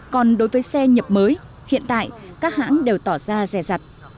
còn đối với xe nhập mới hiện tại các hãng đều tỏ ra rè rặt